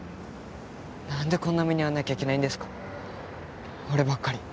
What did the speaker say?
なんでこんな目に遭わなきゃいけないんですか？